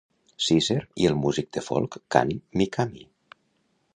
Seazer i el músic de folk Kan Mikami.